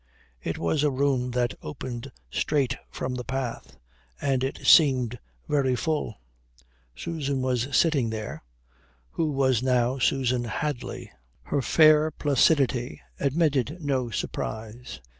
It was a room that opened straight from the path, and it seemed very full. Susan was sitting there, who was now Susan Hadley. Her fair placidity admitted no surprise.